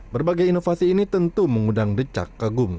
berbagai inovasi ini tentu mengundang decak kagum